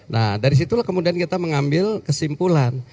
nah dari situlah kemudian kita mengambil kesimpulan